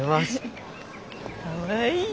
かわいい。